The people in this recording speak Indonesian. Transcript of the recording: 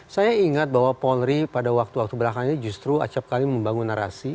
saya ingat bahwa polri pada waktu waktu belakang ini justru acapkali membangun narasi